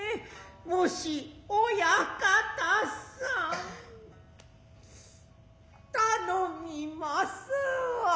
もし親方さん頼みますわいなァ。